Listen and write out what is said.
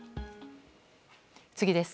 次です。